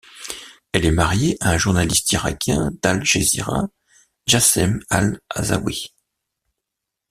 Elle est mariée à un journaliste irakien d'Al Jazeera, Jassem Al-Azzawi.